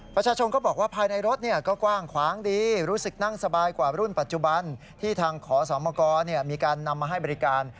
ประชาชนก็บอกว่าภายในรถก็กว้างขวางดีรู้สึกนั่งสบายกว่ารุ่นปัจจุบันที่ทางขอสมกรมีการนำมาให้บริการ